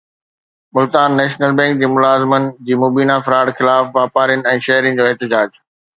Multan national bank جي ملازمن جي مبينا فراڊ خلاف واپارين ۽ شهرين جو احتجاج